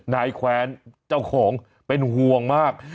แขวนเจ้าของเป็นห่วงมาก